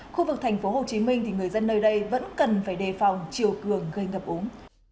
khu vực tp hcm người dân nơi đây vẫn cần phải đề phòng chiều cường gây ngập ống